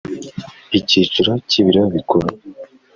Icyiciro cy Ibiro Bikuru